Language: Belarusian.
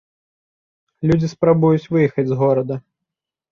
Людзі спрабуюць выехаць з горада.